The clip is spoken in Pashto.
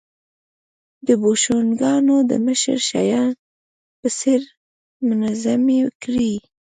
د بوشونګانو د مشر شیام په څېر منظمې کړې